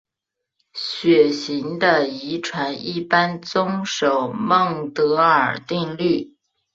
血型的遗传一般遵守孟德尔定律。